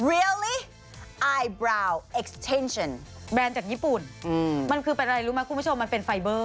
ทีนี้มันจะเป็นยังไงมันคือแบรนด์จากญี่ปุ่นอืมมันคือเป็นอะไรรู้ไหมคุณผู้ชมมันเป็น